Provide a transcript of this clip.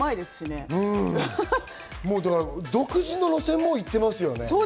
独自の路線に、もう行っていますよね。